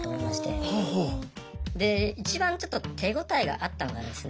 で一番ちょっと手応えがあったのがですね